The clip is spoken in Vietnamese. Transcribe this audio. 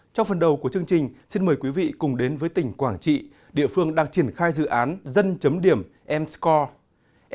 trong phần đầu của chương trình xin mời quý vị cùng đến với tỉnh quảng trị địa phương đang triển khai dự án dân điểm m score